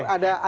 biar ada agak